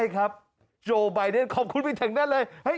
ขอบคุณไปจากนั้นเลย